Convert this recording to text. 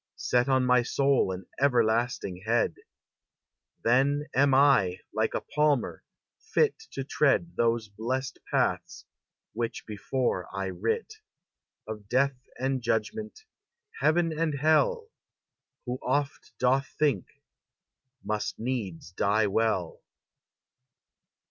Set on my soul an everlasting head: Then am I, like a palmer, fit To tread those blest paths which before I writ. Of death and judgment, heaven and hell, Who oft doth think, must needs die well.